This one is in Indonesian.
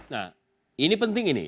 nah ini penting ini